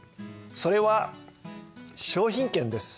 それは商品券です。